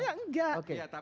itu dia kalau saya tidak